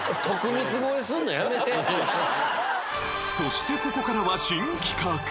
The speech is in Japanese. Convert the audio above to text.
そしてここからは新企画。